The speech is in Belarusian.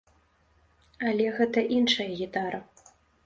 Але гэта іншая гітара.